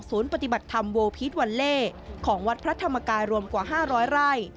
ปฏิบัติธรรมโวพีชวัลเล่ของวัดพระธรรมกายรวมกว่า๕๐๐ไร่